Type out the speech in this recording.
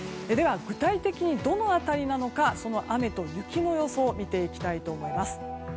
では、具体的にどの辺りなのかその雨と雪の予想を見ていきたいと思います。